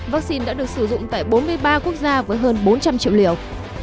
vắc xin đã được sử dụng tại bốn mươi ba quốc gia với hơn bốn trăm linh triệu liều